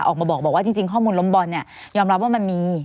ออกมาบอกว่าจริงข้อมูลล้มบอลเนี่ยยอมรับว่ามันมี